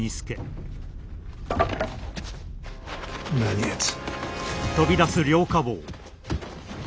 何やつ！